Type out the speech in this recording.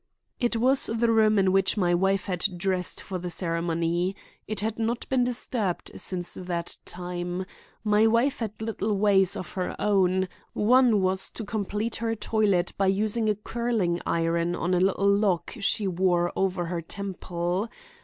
"It was the room in which my wife had dressed for the ceremony. It had not been disturbed since that time. My wife had little ways of her own; one was to complete her toilet by using a curling iron on a little lock she wore over her temple.